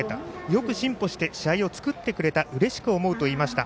よく辛抱して試合を作ってくれたうれしく思うと言いました。